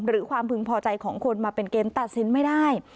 หรือความพึงพอใจของคนมาเป็นเกณฑ์ตัดสินไม่ได้